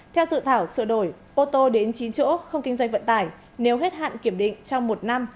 theo dự thảo sửa đổi ô tô đến chín chỗ không kinh doanh vận tải nếu hết hạn kiểm định trong một năm